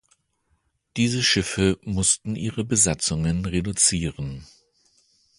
Diese Schiffe mussten ihre Besatzungen reduzieren.